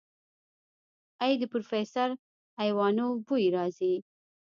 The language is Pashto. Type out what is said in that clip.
ای د پروفيسر ايوانوف بوئ راځي.